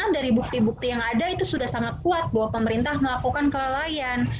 karena dari bukti bukti yang ada itu sudah sangat kuat bahwa pemerintah melakukan kelalaian